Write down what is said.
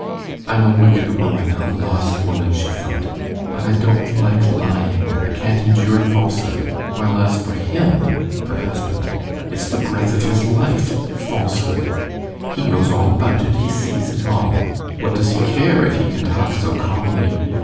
"I'm a wicked woman, a lost woman," she thought; "but I don't like lying, I can't endure falsehood, while as for him (her husband) it's the breath of his life—falsehood. He knows all about it, he sees it all; what does he care if he can talk so calmly?